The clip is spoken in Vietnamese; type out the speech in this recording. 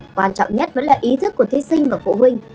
quan trọng nhất vẫn là ý thức của thí sinh và phụ huynh